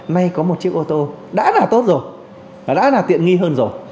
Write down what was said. nay có một chiếc ô tô đã là tốt rồi đã là tiện nghi hơn rồi